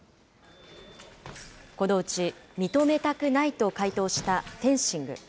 このうち認めたくないと回答したフェンシング。